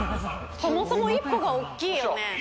そもそも１歩が大きいよね。